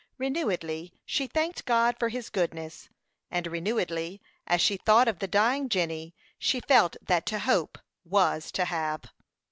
Renewedly she thanked God for his goodness; and renewedly, as she thought of the dying Jenny, she felt that to hope was to have.